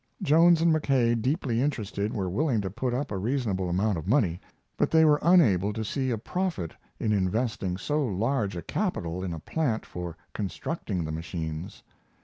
Jones and Mackay, deeply interested, were willing to put up a reasonable amount of money, but they were unable to see a profit in investing so large a capital in a plant for constructing the machines.